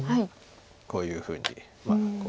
こういうふうにまあ。